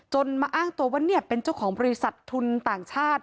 มาอ้างตัวว่าเป็นเจ้าของบริษัททุนต่างชาติ